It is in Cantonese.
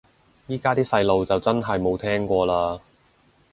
依家啲細路就真係冇聽過嘞